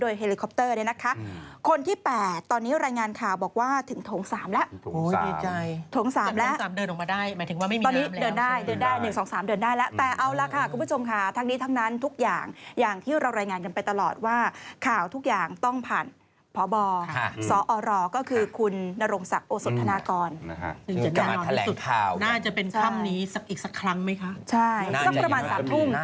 ใช่แล้วแต่เอาละค่ะคุณผู้ชมค่ะทั้งนี้ทั้งนั้นทุกอย่างอย่างที่เรารายงานกันไปตลอดว่าข่าวทุกอย่างต้องผ่านพบเซาะรก็คือคุณนโรงศักดิ์โอสถานกรน่าจะเป็นคำนี้อีกสักครั้งไหมคะ